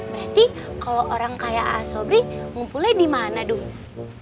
berarti kalau orang kaya aa sobri ngumpulnya di mana dums